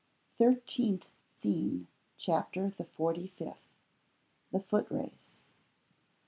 THIRTEENTH SCENE. FULHAM. CHAPTER THE FORTY FIFTH. THE FOOT RACE.